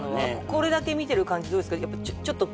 これだけ見てる感じどうですか？